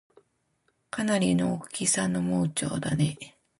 かなりの大きさの盲腸だねぇ